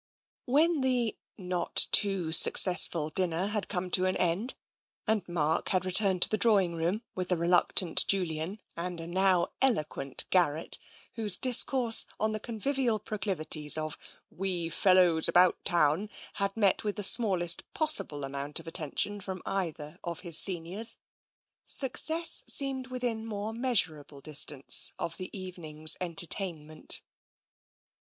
When the not too successful dinner had come to an end, and Mark had returned to the drawing room with the reluctant Julian and a now eloquent Garrett, whose discourse on the convivial proclivities of " we fellows about town " had met with the smallest possible amount of attention from either of his seniors, success seemed within more measurable distance of the evening's en tertainment.